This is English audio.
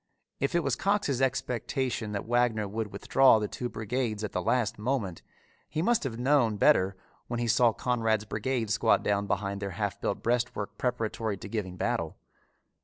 If it was Cox's expectation that Wagner would withdraw the two brigades at the last moment, he must have known better when he saw Conrad's brigade squat down behind their half built breastwork preparatory to giving battle.